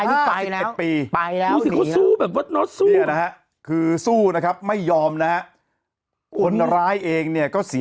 ยังไงยังไงยังไงยังไงยังไงยังไงยังไง